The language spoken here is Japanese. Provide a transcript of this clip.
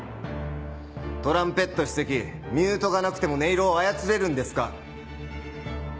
トランペット首席ミュートがなくても音色を操れるんですか？